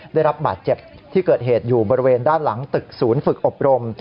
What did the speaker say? ได้รับบาดเจ็บที่เกิดเหตุอยู่บริเวณด้านหลังตึกศูนย์ฝึกอบรม